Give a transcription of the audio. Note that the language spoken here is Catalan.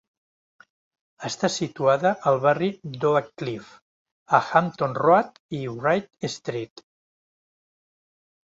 Està situada al barri d'Oak Cliff, a Hampton Road i Wright Street.